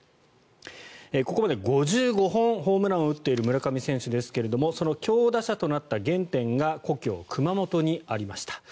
ここまで、５５本ホームランを打っている村上選手ですがその強打者となった原点が故郷・熊本にありました。